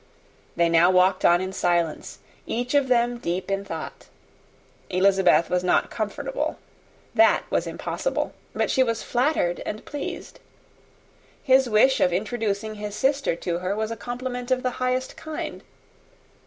They now walked on in silence; each of them deep in thought. Elizabeth was not comfortable; that was impossible; but she was flattered and pleased. His wish of introducing his sister to her was a compliment of the highest kind.